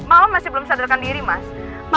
malam masih belum sadarkan diri mas